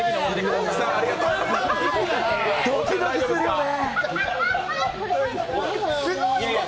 ドキドキするよね？